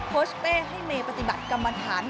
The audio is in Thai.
โฮชเต้ให้เมย์ปฏิบัติกรรมฐาน